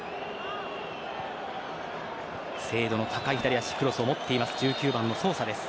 精度の高い左足クロスを持っています